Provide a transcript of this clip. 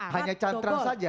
hanya cantrang saja